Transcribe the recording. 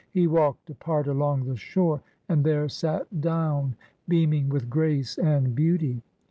He walked apart along the shore, and there sat down, beaming with grace and beauty.